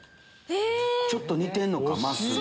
ちょっと似てんのかまっすーと。